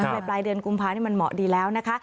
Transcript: ไปปลายเดือนกุมภานี่มันเหมาะดีแล้วนะคะ